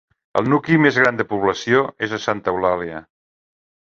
El nucli més gran de població és a Santa Eulàlia.